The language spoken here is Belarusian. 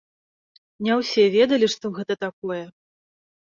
Не ўсе ведалі, што гэта такое.